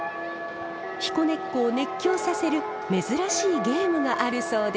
彦根っ子を熱狂させる珍しいゲームがあるそうです。